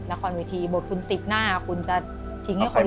ละครวิธีบทคุณสิบหน้าคุณจะทิ้งให้คนอื่นเล่น